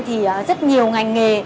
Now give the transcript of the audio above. thì rất nhiều ngành nghề